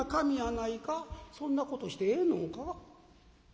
そんなことしてええのんか？